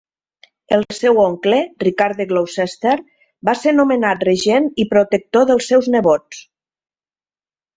El seu oncle, Ricard de Gloucester, va ser nomenat regent i protector dels seus nebots.